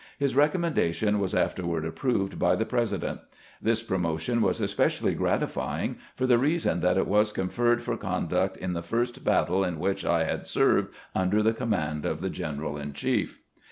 His recommendation was afterward approved by the President. This pro motion was especially gratifying for the reason that it was conferred for conduct in the first battle in which I had served under the command of the general in chief